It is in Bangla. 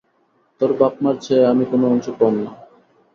তোর বাপ-মার চেয়ে আমি কোনো অংশে কম না।